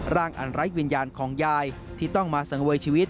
อันไร้วิญญาณของยายที่ต้องมาสังเวยชีวิต